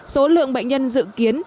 số lượng bệnh nhân dự kiến